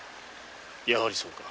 やはりそうか。